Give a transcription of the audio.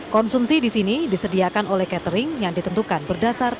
konsumsi di sini disediakan oleh catering yang ditentukan berdasarkan